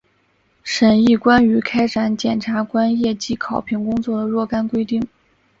审议关于开展检察官业绩考评工作的若干规定